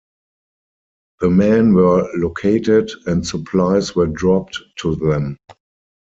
The men were located and supplies were dropped to them.